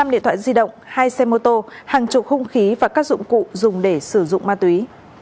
một mươi điện thoại di động hai xe mô tô hàng chục hung khí và các dụng cụ dùng để sử dụng ma túy